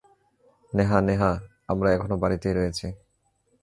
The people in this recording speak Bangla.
নেহা, নেহা, আমরা এখনও বাড়িতেই রয়েছি।